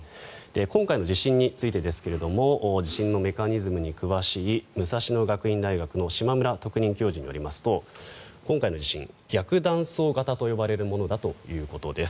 今回の地震についてですが地震のメカニズムに詳しい武蔵野学院大学の島村特任教授によりますと今回の地震逆断層型と呼ばれるものだということです。